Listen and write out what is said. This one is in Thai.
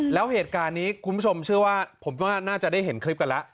แล้วเหตุการณ์นี้คุณผู้ชมเชื่อว่าผมว่าน่าจะได้เห็นคลิปกันแล้ว